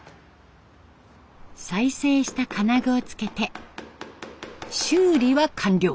再生した金具をつけて修理は完了。